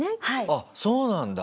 あっそうなんだ。